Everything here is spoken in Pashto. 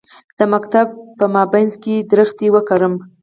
د مکتب په انګړ کې ونې وکرم؟